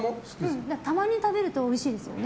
たまに食べるとおいしいですよね。